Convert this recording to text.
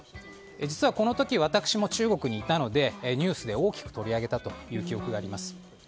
実はこの時、私も中国にいたのでニュースで大きく取り上げられた記憶があります。